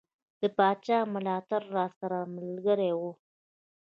د پاچا ملاتړ راسره ملګری وو.